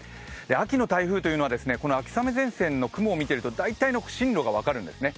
秋の台風というのはこの秋雨前線の雲を見ていると大体の進路が分かるんですね。